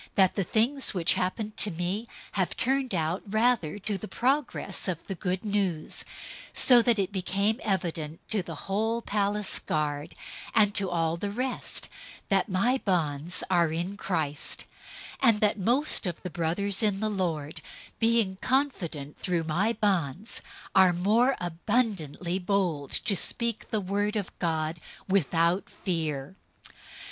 "} that the things which happened to me have turned out rather to the progress of the Good News; 001:013 so that it became evident to the whole praetorian guard, and to all the rest, that my bonds are in Christ; 001:014 and that most of the brothers in the Lord, being confident through my bonds, are more abundantly bold to speak the word of God without fear.